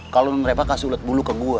kalo nandreva kasih ulet bulu ke gue